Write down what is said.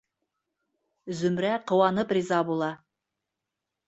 Зөмрә ҡыуанып риза була.